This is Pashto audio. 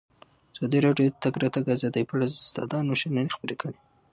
ازادي راډیو د د تګ راتګ ازادي په اړه د استادانو شننې خپرې کړي.